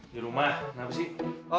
di rumah kenapa sih